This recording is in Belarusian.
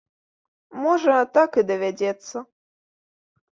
Можа, так і давядзецца.